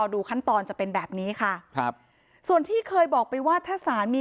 ดูขั้นตอนจะเป็นแบบนี้ค่ะครับส่วนที่เคยบอกไปว่าถ้าศาลมี